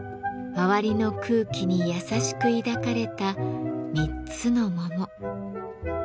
周りの空気に優しく抱かれた３つの桃。